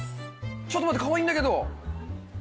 ちょっと待って、かわいいんだけど。